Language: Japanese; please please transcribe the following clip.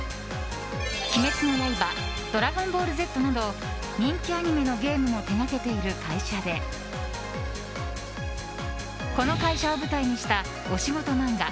「鬼滅の刃」「ドラゴンボールＺ」など人気アニメのゲームも手掛けている会社でこの会社を舞台にしたお仕事漫画